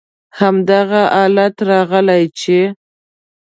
هماغه حالت راغلی چې: